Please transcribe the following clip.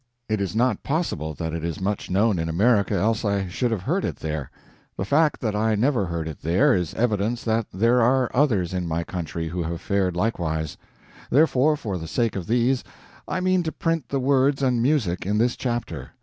It is not possible that it is much known in America, else I should have heard it there. The fact that I never heard it there, is evidence that there are others in my country who have fared likewise; therefore, for the sake of these, I mean to print the words and music in this chapter.